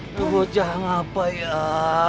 udah boceng apa ya